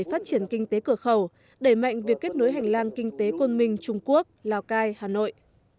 phát triển kinh tế cửa khẩu đẩy mạnh việc kết nối hành lang kinh tế côn minh trung quốc lào cai hà nội